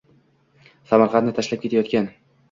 Samarqandni tashlab ketayotgan